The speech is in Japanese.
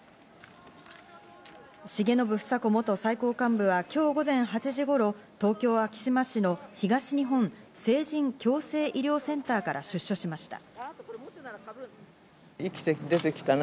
重信房子元最高幹部は今日午前８時頃、東京・昭島市の東日本成人矯正医療センターから出所しました。